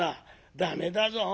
駄目だぞ。